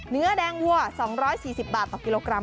เนื้อแดงวัว๒๔๐บาทต่อกิโลกรัม